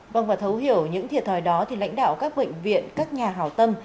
vâng và thấu hiểu những thiệt thòi đó thì lãnh đạo các bệnh viện các nhà hào tâm